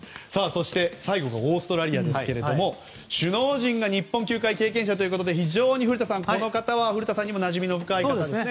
そして、オーストラリアですが首脳陣が日本球界経験者ということで非常に古田さんにもなじみの深い方ですね。